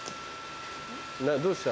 どうした？